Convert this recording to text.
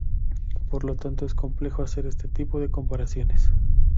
Por lo tanto es complejo hacer este tipo de comparaciones.